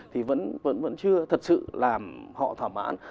thì vẫn chưa thật sự làm họ thỏa mãn